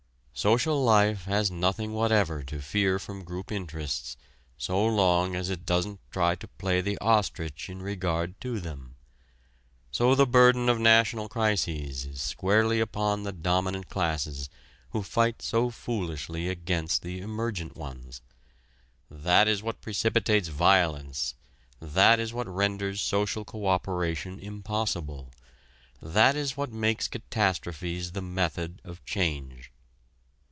Social life has nothing whatever to fear from group interests so long as it doesn't try to play the ostrich in regard to them. So the burden of national crises is squarely upon the dominant classes who fight so foolishly against the emergent ones. That is what precipitates violence, that is what renders social co operation impossible, that is what makes catastrophes the method of change.